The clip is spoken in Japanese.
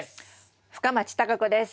深町貴子です。